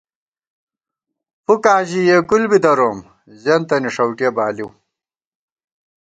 فُکاں ژِی یېکُل بی دروم ، زِیَنتَنی ݭؤٹِیَہ بالِؤ